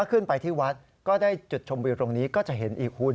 ขึ้นไปที่วัดก็ได้จุดชมวิวตรงนี้ก็จะเห็นอีกคุณ